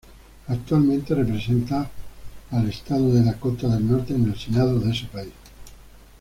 Actualmente representada al estado de Dakota del Norte en el Senado de ese país.